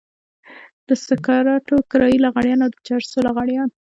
د سګرټو کرايي لغړيان او د چرسو لغړيان.